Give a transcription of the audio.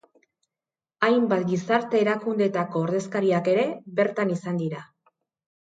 Hainbat gizarte erakundeetako ordezkariak ere bertan izan dira.